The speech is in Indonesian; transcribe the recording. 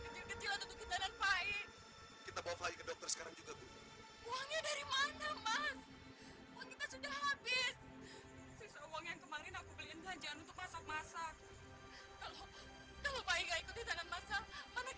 mereka terhubung dulu dan percaya sampai ayo masajid semestinya